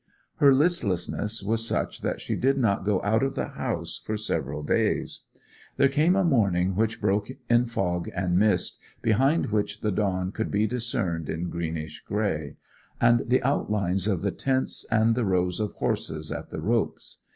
Her listlessness was such that she did not go out of the house for several days. There came a morning which broke in fog and mist, behind which the dawn could be discerned in greenish grey; and the outlines of the tents, and the rows of horses at the ropes.